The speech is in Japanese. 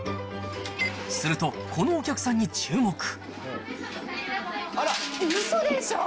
すると、このお客さんに注目。